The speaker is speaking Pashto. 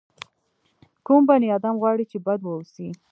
کوم بني ادم غواړي چې بد واوسي.